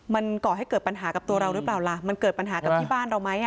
มันก่อให้เกิดปัญหากับตัวเราหรือเปล่าล่ะมันเกิดปัญหากับที่บ้านเราไหม